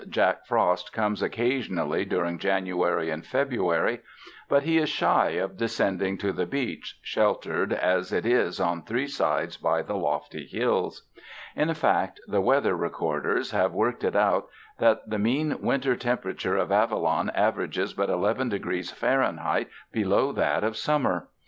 Jack Frost comes occasionally during Janu ary and February, but he is shy of descending to the beach, sheltered as it is on three sides by the lofty hills. In fact the weather recorders have worked it out that the mean winter temperature of Avalon averages but eleven degrees Fahrenheit be low that of summer.